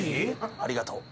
ありがとう。